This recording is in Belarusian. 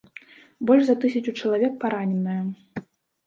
Больш за тысячу чалавек параненыя.